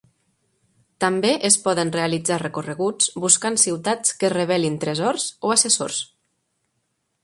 També es poden realitzar recorreguts buscant ciutats que revelin tresors o assessors.